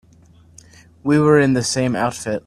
We were in the same outfit.